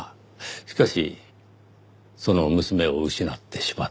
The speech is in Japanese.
しかしその娘を失ってしまった。